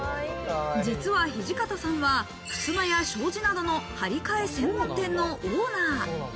実は土方さんは、ふすまや障子などの張り替え専門店のオーナー。